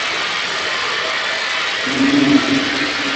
Niinung.